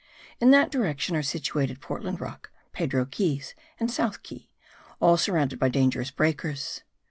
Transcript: In that direction are situated Portland Rock, Pedro Keys and South Key, all surrounded by dangerous breakers.